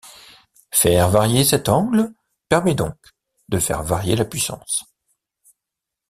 Faire varier cet angle permet donc de faire varier la puissance.